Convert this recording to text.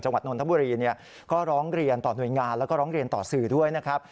นนทบุรีก็ร้องเรียนต่อหน่วยงานแล้วก็ร้องเรียนต่อสื่อด้วยนะครับ